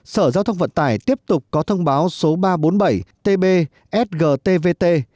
sở giao thông vận tải tiếp tục có thông báo số ba trăm bốn mươi bảy tb sgtvt